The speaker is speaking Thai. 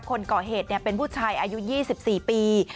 คนก่อเหตุเป็นผู้ชายอายุ๒๔ปี